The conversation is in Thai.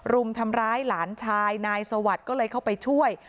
รุมทำร้ายหลานชายนายสวัสดิ์ก็เลยเข้าไปช่วย